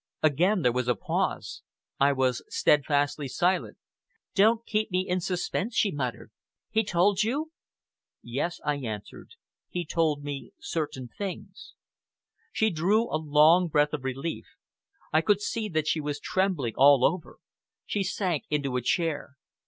Again there was a pause. I was steadfastly silent. "Don't keep me in suspense," she muttered. "He told you?" "Yes!" I answered, "he told me certain things." She drew a long breath of relief. I could see that she was trembling all over. She sank into a chair.